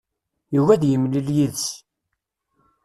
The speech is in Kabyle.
Yugi ad yemlil yid-s.